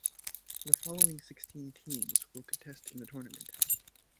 The following sixteen teams will contest in the tournament.